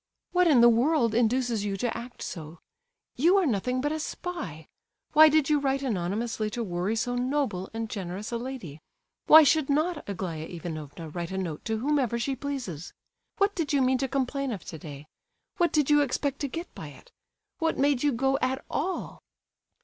"What in the world induces you to act so? You are nothing but a spy. Why did you write anonymously to worry so noble and generous a lady? Why should not Aglaya Ivanovna write a note to whomever she pleases? What did you mean to complain of today? What did you expect to get by it? What made you go at all?"